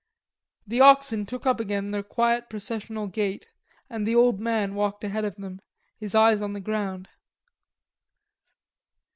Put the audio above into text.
The oxen took up again their quiet processional gait and the old man walked ahead of them, his eyes on the ground.